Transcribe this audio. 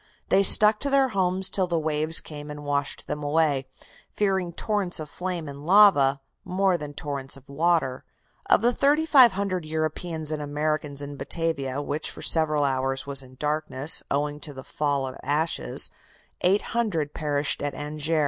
They stuck to their homes till the waves came and washed them away, fearing torrents of flame and lava more than torrents of water. "Of the 3,500 Europeans and Americans in Batavia which for several hours was in darkness, owing to the fall of ashes 800 perished at Anjer.